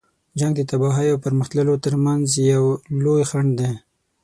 جنګ د تباهۍ او پرمخ تللو تر منځ یو لوی خنډ دی.